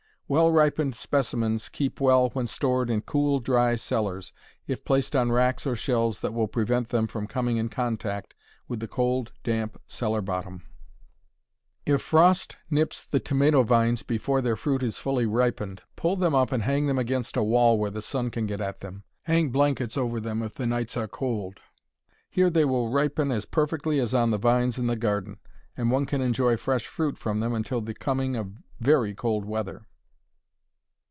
Well ripened specimens keep well when stored in cool, dry cellars, if placed on racks or shelves that will prevent them from coming in contact with the cold, damp cellar bottom. If frost nips the tomato vines before all their fruit is fully ripened, pull them up and hang them against a wall where the sun can get at them. Hang blankets over them if the nights are cold. Here they will ripen as perfectly as on the vines in the garden, and one can enjoy fresh fruit from them until the coming of very cold weather.